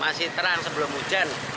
masih terang sebelum hujan